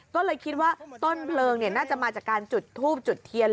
ก็เลยคิดว่าต้นเพลิงน่าจะมาจากการจุดทูบจุดเทียน